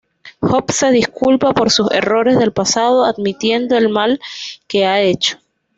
Jobs se disculpa por sus errores del pasado, admitiendo el mal que ha hecho.